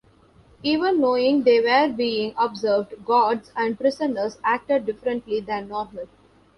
Even knowing they were being observed, guards and prisoners acted differently than normal.